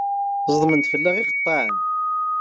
Ẓedmen-d fell-aɣ yiqeṭṭaɛen.